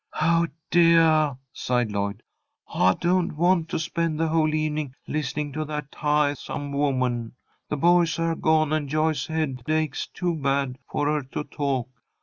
"Oh, deah!" sighed Lloyd. "I don't want to spend the whole evening listening to that tiahsome woman. The boys are gone, and Joyce's head aches too bad for her to talk.